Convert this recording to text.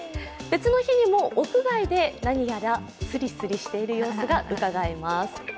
別の日にも屋外で何やらすりすりしている様子がうかがえます。